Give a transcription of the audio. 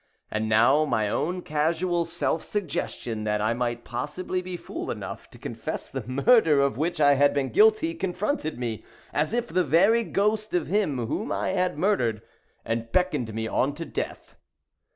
And now my own casual self suggestion that I might possibly be fool enough to confess the murder of which I had been guilty, confronted me, as if the very ghost of him whom I had murdered—and beckoned me on to death.